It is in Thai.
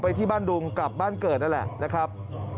ที่บ้านดุงกลับบ้านเกิดนั่นแหละนะครับ